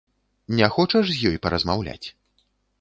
Не хочаш з ёй паразмаўляць?